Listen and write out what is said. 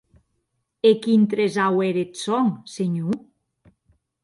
E quin tresau ère eth sòn, senhor?